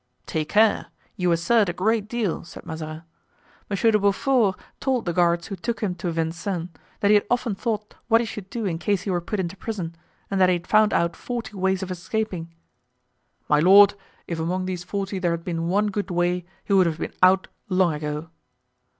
"Take care! you assert a great deal," said Mazarin. "Monsieur de Beaufort told the guards who took him to Vincennes that he had often thought what he should do in case he were put into prison, and that he had found out forty ways of escaping." "My lord, if among these forty there had been one good way he would have been out long ago."